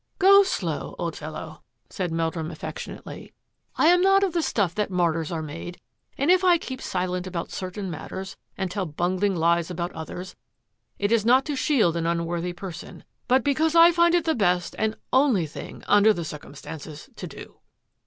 " Go slow, old fellow," said Meldrum affection CROSS PUBPOSES 169 ately. " I am not of the stuff that martyrs are made, and if I keep silent about certain matters and tell bungling lies about others, it is not to shield an unworthy person, but because I find it the best and only thing, under the circumstances, to do."